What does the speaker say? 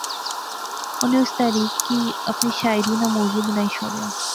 انی اس تحریک کی اپنی شاعری ناں موضوع بنائی شوڑیا